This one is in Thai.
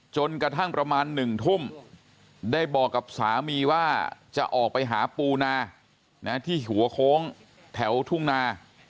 จนกระทั่งประมาณ๑ทุ่มได้บอกกับสามีว่าจะออกไปหาปูนาที่หัวโค้งแถวทุ่งนา